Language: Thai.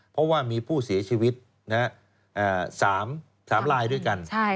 เพราะว่ามีผู้เสียชีวิต๓ลายด้วยกัน